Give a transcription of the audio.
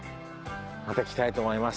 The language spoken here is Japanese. また来たいと思います。